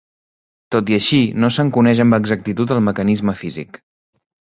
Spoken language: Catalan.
Tot i així, no se'n coneix amb exactitud el mecanisme físic.